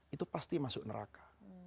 itu pasti masuk neraka